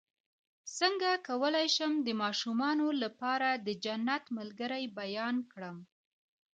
څنګه کولی شم د ماشومانو لپاره د جنت ملګري بیان کړم